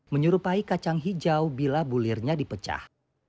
menyerupai kacang hijau bila bulirnya dipecah